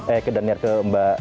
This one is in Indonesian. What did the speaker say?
eh ke daniar ke mbak